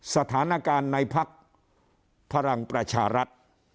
สถานการณ์ในภักดิ์พลังประชารัฐ